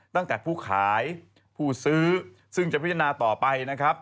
ตั้งแต่ผู้ขายผู้ซื้อซึ่งจะพิจารณาต่อไปนะครับ